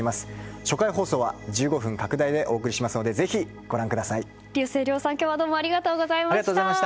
初回放送は１５分拡大でお送りしますので竜星涼さん、今日はありがとうございました。